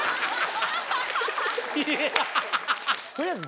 取りあえず。